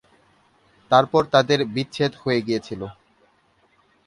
এরপর তাঁদের বিচ্ছেদ হয়ে গিয়েছিল।